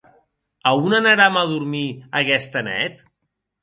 A on anaram a dormir aguesta net?